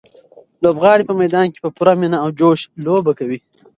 لوبغاړي په میدان کې په پوره مینه او جوش لوبه کوي.